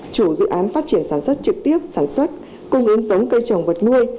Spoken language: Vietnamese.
chủ dự án phát triển sản xuất trực tiếp sản xuất cung ứng giống cây trồng vật nuôi